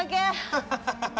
ハハハハハ！